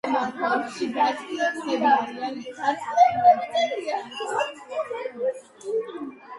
ყველა ბანკნოტის გადის დიზაინის ცვლილებას, ბოლო წლებში ვალუტის გაყალბების აღსაკვეთად.